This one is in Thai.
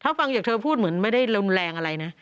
ถ้าฟังจากเธอพูดเหมือนไม่ได้รุนแรงอะไรนะ